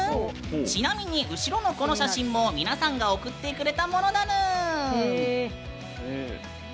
ちなみに後ろのこの写真も皆さんが送ってくれたものだぬん。